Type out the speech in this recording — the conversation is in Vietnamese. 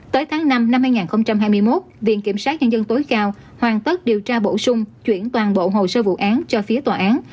tới tháng năm năm hai nghìn hai mươi một viện kiểm sát nhân dân tối cao hoàn tất điều tra bổ sung chuyển toàn bộ hồ sơ vụ án cho phía tòa án